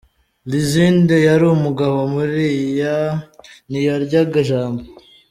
Lizinde yari umugabo buriya, ntiyaryaga ijambo.